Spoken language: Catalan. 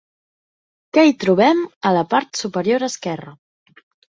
Què hi trobem a la part superior esquerra?